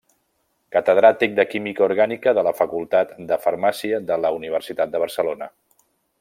Catedràtic de Química Orgànica de la Facultat de Farmàcia de la Universitat de Barcelona.